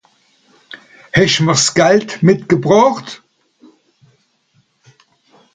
Hesch'm'r s'Gald mitgebrocht?